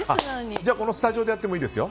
じゃあこのスタジオでやってもいいですよ。